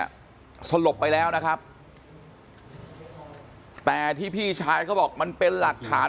นี้เนี่ยสลบไปแล้วนะครับแต่ที่พี่ชายก็บอกมันเป็นหลักฐาน